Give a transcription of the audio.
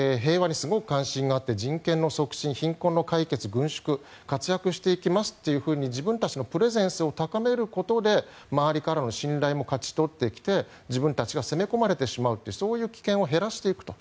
人権の促進、貧困の解決、軍縮活躍していきますって自分たちのプレゼンスを高めることで周りからの信頼も勝ち取ってきて自分たちが攻め込まれてしまうというそういう危険を減らしていくと。